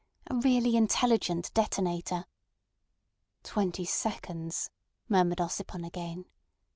A really intelligent detonator." "Twenty seconds," muttered Ossipon again.